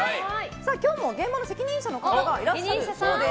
今日も現場の責任者の方がいらっしゃるそうです。